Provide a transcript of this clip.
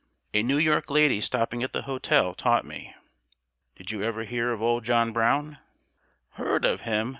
"A New York lady stopping at the hotel taught me." "Did you ever hear of Old John Brown?" "Hear of him!